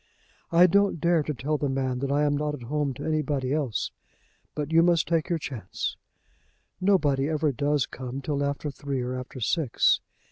I don't dare to tell the man that I am not at home to anybody else, but you must take your chance. Nobody ever does come till after three or after six.